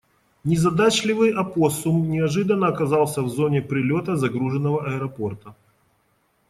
Незадачливый опоссум неожиданно оказался в зоне прилета загруженного аэропорта.